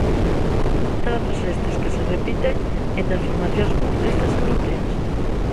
Trazos estes que se repiten entre as formacións populistas europeas.